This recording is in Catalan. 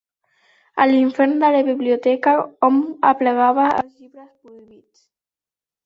A l'infern de la biblioteca hom aplegava els llibres prohibits.